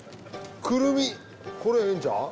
襯これええんちゃう？